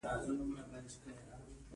دا زموږ د خپلمنځي اختلاف یو عظیم باب دی.